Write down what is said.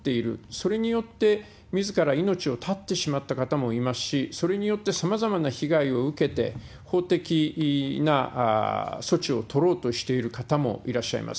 それによって、みずから命を絶ってしまった方もいますし、それによってさまざまな被害を受けて、法的な措置を取ろうとしている方もいらっしゃいます。